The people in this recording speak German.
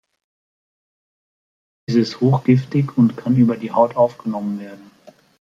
Es ist hochgiftig und kann über die Haut aufgenommen werden.